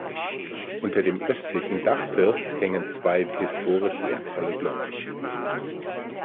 Unter dem östlichen Dachfirst hängen zwei historisch wertvolle Glocken.